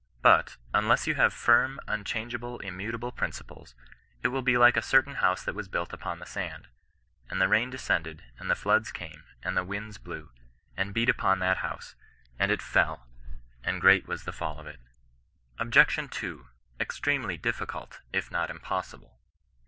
But, unless you have firm, unohange • able, immutable principles, it will be like a certain house that was built upon the sand :*■ and the rain descended, and the floods came, and the winds blew, and beat upon xbAt bouse; and it fell, and great was the ftJl of it. ' GHBJSTIAJKf 19[0N EESISTANC£. 141 OBJ. n. EXTBEMBLT DIPTICTTLT, IF NOT TMPOSHIBLE.